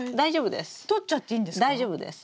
大丈夫です。